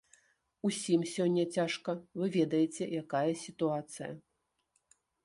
Усім сёння цяжка, вы ведаеце, якая сітуацыя.